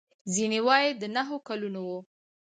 ځینې وايي د نهو کلونو و.